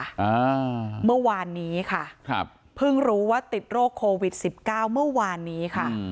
อ่าเมื่อวานนี้ค่ะครับเพิ่งรู้ว่าติดโรคโควิดสิบเก้าเมื่อวานนี้ค่ะ